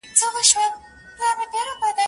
پر بګړۍ به وي زلمیو ګل ټومبلي